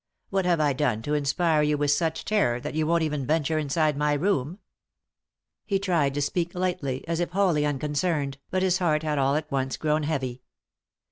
What have I done to inspire you with such terror that you won't even venture inside my room ?" He tried to speak lightly, as if wholly uncon cerned, but bis heart had all at once grown heavy.